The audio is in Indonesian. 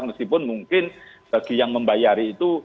meskipun mungkin bagi yang membayari itu